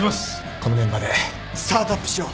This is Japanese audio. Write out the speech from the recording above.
このメンバーでスタートアップしよう。